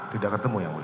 tidak ketemu ya